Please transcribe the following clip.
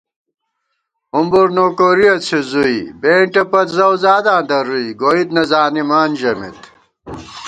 ہُمبر نوکورِیَہ څھِزُوئی بېنٹےپت زَؤزاداں درُوئی گوئیت نہ زانِمان ژمېت